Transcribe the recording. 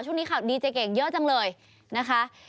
ช่วงนี้ข่าวดีเจเก่งเยอะจังเลยนะคะ